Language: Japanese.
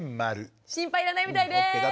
心配いらないみたいです。